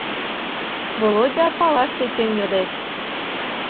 — Володя палаш тӧчен йодеш.